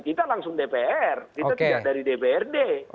kita langsung dpr kita tidak dari dprd